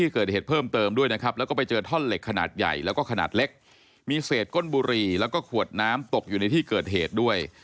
ขนาดใหญ่แล้วก็ขนาดเล็กมีเศษก้นบุหรี่แล้วก็ขวดน้ำตกอยู่ในที่เกิดเหตุด้วย